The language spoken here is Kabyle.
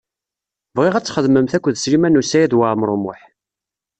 Bɣiɣ ad txedmemt akked Sliman U Saɛid Waɛmaṛ U Muḥ.